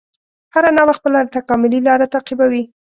هره نوعه خپله تکاملي لاره تعقیبوي.